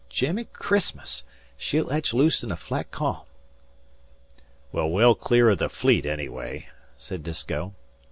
Jiminy Christmas! She'll etch loose in a flat ca'am." "We're well clear o' the Fleet, anyway," said Disko.